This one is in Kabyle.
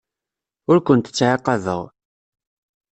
Ur kent-ttɛaqabeɣ.